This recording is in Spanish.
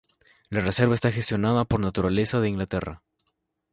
La reserva está gestionada por Naturaleza de Inglaterra